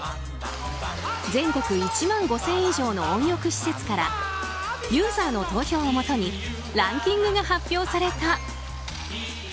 全国１万５０００以上の温浴施設からユーザーの投票をもとにランキングが発表された。